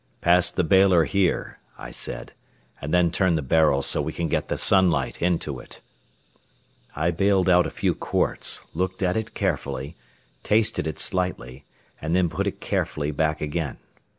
"Pass the bailer here," I said; "and then turn the barrel so we can get the sunlight into it." I bailed out a few quarts, looked at it carefully, tasted it slightly, and then put it carefully back again.